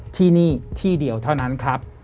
ที่นี่ที่เดียวเท่านั้นครับ